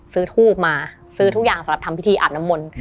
ทูบมาซื้อทุกอย่างสำหรับทำพิธีอาบน้ำมนต์